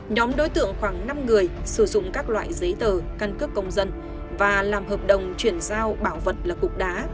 nhóm đối tượng khoảng năm người sử dụng các loại giấy tờ căn cước công dân và làm hợp đồng chuyển giao bảo vật là cục đá